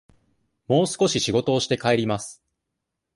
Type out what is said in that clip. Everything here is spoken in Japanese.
もう少し仕事をして、帰ります。